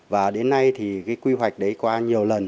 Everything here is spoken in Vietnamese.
và đến nay quy hoạch đó qua nhiều lần